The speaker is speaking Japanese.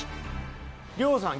亮さん